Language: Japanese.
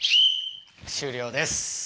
終了です。